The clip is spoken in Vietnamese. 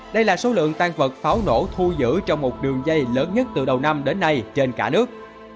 đây là số lượng tàn vật pháo nổ thu giữ trong một đường dây lớn nhất từ đầu năm đến nay trên cả nước